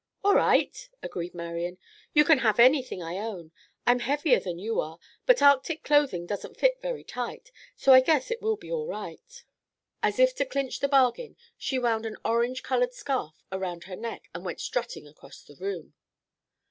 "All right," agreed Marian. "You can have anything I own. I'm heavier than you are, but arctic clothing doesn't fit very tight, so I guess it will be all right." As if to clinch the bargain, she wound an orange colored scarf about her neck and went strutting across the room.